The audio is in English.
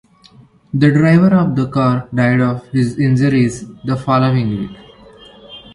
The driver of the car died of his injuries the following week.